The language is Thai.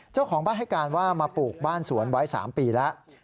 เจ้าของบ้านให้การว่ามาปลูกบ้านสวนไว้๓ปีแล้ว